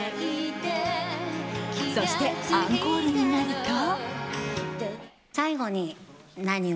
そしてアンコールになると。